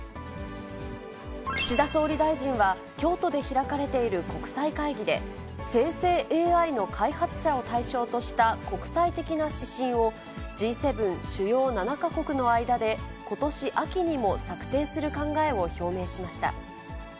岸田総理大臣は、京都で開かれている国際会議で、生成ＡＩの開発者を対象とした国際的な指針を、Ｇ７・主要７か国の間で、ことし秋にも策定する考えを表明しました。